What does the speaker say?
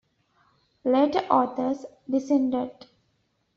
Later authors dissented.